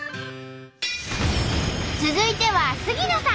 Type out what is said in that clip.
続いては杉野さん。